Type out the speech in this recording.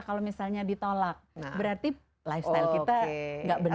kalau misalnya ditolak berarti lifestyle kita nggak benar